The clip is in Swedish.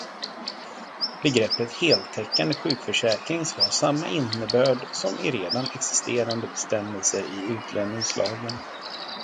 Begreppet heltäckande sjukförsäkring ska ha samma innebörd som i redan existerande bestämmelser i utlänningslagen.